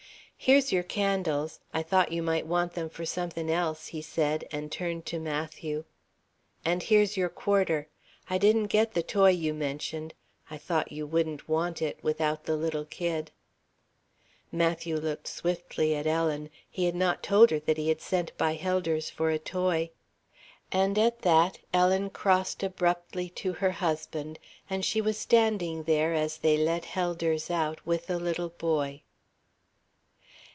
"Here's your candles, I thought you might want them for somethin' else," he said, and turned to Matthew: "And here's your quarter. I didn't get the toy you mentioned. I thought you wouldn't want it, without the little kid." Matthew looked swiftly at Ellen. He had not told her that he had sent by Helders for a toy. And at that Ellen crossed abruptly to her husband, and she was standing there as they let Helders out, with the little boy.